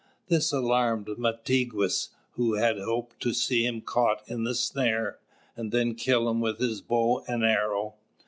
This alarmed Mātigwess, who had hoped to see him caught in the snare, and then kill him with his bow and arrow.